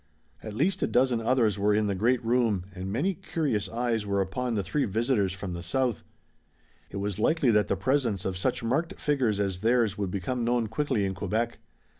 At least a dozen others were in the great room, and many curious eyes were upon the three visitors from the south. It was likely that the presence of such marked figures as theirs would become known quickly in Quebec.